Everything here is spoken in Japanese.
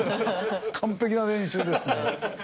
完璧な練習ですね。